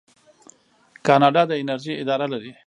کاناډا د انرژۍ اداره لري.